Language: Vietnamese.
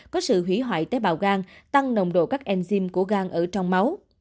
có sự hủy hoại tế bào gan tăng nồng độ các enzym của gan ở trong máu